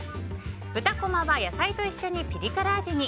豚こまは野菜と一緒にピリ辛味に。